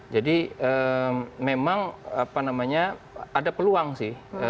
jadi memang ada peluang sih